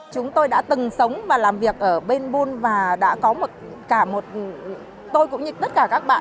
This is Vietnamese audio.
chúng tôi đã từng sống và làm việc ở bên bun và đã có cả một tôi cũng như tất cả các bạn